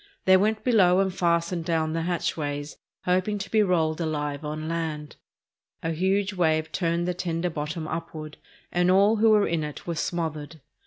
They went below and fastened down the hatchways, hoping to be rolled alive on land. A huge wave turned the tender 509 SPAIN bottom upward, and all who were in it were smothered.